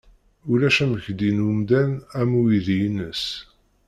Ulac amekdi n umdan am uydi-ines